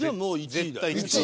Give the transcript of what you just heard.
絶対１位。